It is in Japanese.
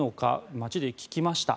街で聞きました。